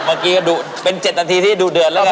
เมื่อกี้ก็ดูเป็น๗นาทีที่ดูเดือดแล้วไง